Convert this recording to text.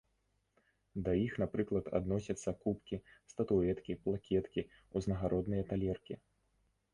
Да іх, напрыклад, адносяцца кубкі, статуэткі, плакеткі, узнагародныя талеркі.